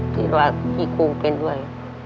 คิดว่าพี่พูเขาเป็นด้วย